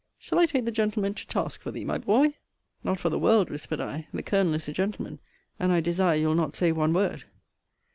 Shall I take the gentleman to task for thee, my boy? Not for the world, whispered I. The Colonel is a gentleman, and I desire you'll not say one word.